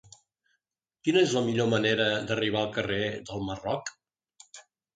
Quina és la millor manera d'arribar al carrer del Marroc?